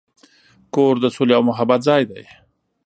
کور د سولې او محبت ځای دی.